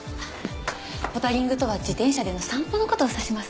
ポタリングとは自転車での散歩の事を指します。